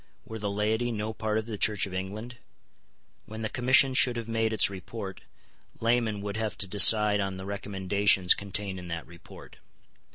Were the laity no part of the Church of England? When the Commission should have made its report, laymen would have to decide on the recommendations contained in that report.